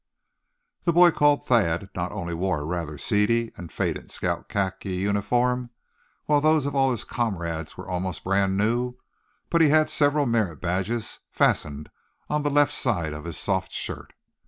The boy called Thad not only wore a rather seedy and faded scout khaki uniform; while those of all his comrades were almost brand new; but he had several merit badges fastened on the left side of his soft shirt.